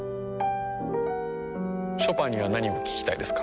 ショパンには何を聞きたいですか？